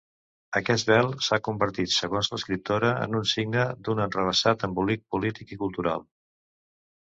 Aquest vel s'ha convertit, segons l'escriptora, en un signe d'un enrevessat embolic polític i cultural.